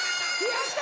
やった！